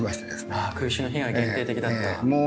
ああ空襲の被害が限定的だった。